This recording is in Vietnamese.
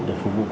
để phục vụ